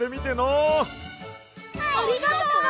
ありがとう！